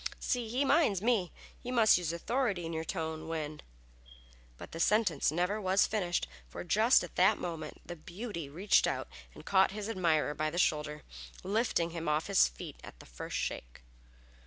"See, he minds me. You must use authority in your tone when " but the sentence never was finished, for just at that moment the "beauty" reached out and caught his admirer by the shoulder, lifting him off his feet at the first shake.